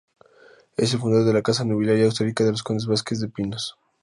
Es el fundador de la casa nobiliaria austríaca de los condes Vasquez de Pinos.